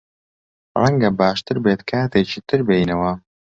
ڕەنگە باشتر بێت کاتێکی تر بێینەوە.